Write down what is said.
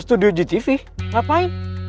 ke studio gtv ngapain